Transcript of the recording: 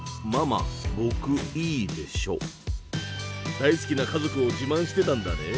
大好きな家族を自慢してたんだね。